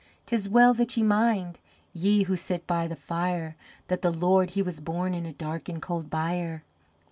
'Tis well that ye mind ye who sit by the fire That the Lord he was born in a dark and cold byre.